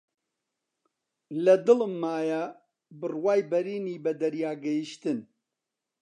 لە دڵمایە بڕوای بەرینی بە دەریا گەیشتن